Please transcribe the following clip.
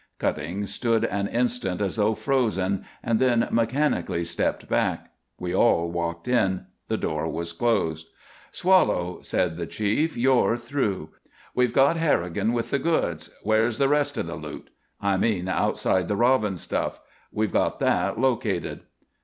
Cutting stood an instant as though frozen, and then mechanically stepped back. We all walked in. The door was closed. "'Swallow,'" said the Chief, "you're through. We've got Harrigan with the goods. Where's the rest of the loot? I mean outside the Robbins stuff. We've got that located."